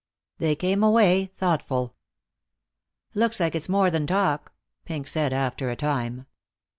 They came away thoughtful. "Looks like it's more than talk," Pink said, after a time.